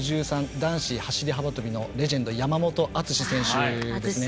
男子走り幅跳びのレジェンド、山本篤選手ですね。